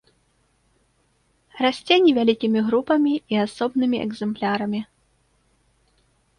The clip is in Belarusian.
Расце невялікімі групамі і асобнымі экземплярамі.